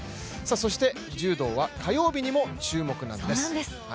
そして柔道は火曜日にも注目なんです。